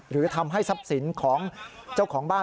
หรือทำให้ทรัพย์สินของเจ้าของบ้าน